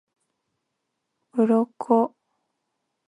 鱗